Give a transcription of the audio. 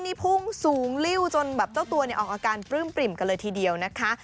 นี่พุ่งสูงลิ้วจนแบบเจ้าตัวเนี่ยออกอาการปลื้มปริ่มกันเลยทีเดียวนะคะ